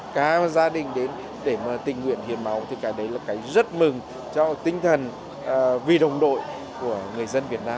cả gia đình đến để tình nguyện hiến máu thì cái đấy là cái rất mừng cho tinh thần vì đồng đội của người dân việt nam